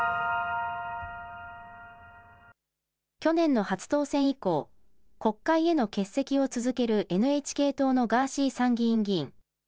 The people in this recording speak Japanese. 去年の初当選以降、国会への欠席を続けるＮＨＫ党のガーシー参議院議員。